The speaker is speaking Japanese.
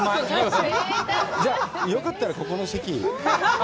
じゃあ、よかったらここの席を。